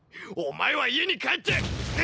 お前は家に帰って。